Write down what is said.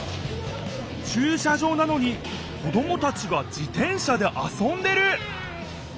ちゅう車場なのに子どもたちが自転車であそんでる！